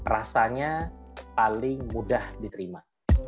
rasanya paling mudah diterima